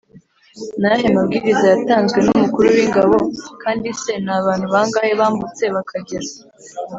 Ni ayahe mabwiriza yatanzwe n umukuru w ingabo kandi se ni abantu bangahe bambutse bakagera